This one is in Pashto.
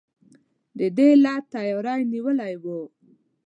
د دې علت تیاری نیول وو.